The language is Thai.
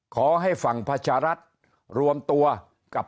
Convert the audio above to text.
ขอให้ฝั่งประชารัฐรวมตัวกับ